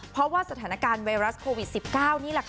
เพราะว่าสถานการณ์ไวรัสโควิด๑๙นี่แหละค่ะ